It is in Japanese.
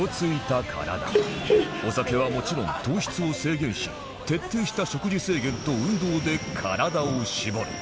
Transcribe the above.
お酒はもちろん糖質を制限し徹底した食事制限と運動で体を絞る